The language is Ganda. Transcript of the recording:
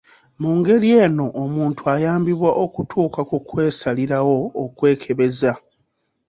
Mu ngeri eno omuntu ayambibwa okutuuka ku kwesalirawo okwekebeza.